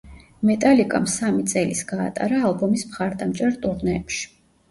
მეტალიკამ სამი წელის გაატარა ალბომის მხარდამჭერ ტურნეებში.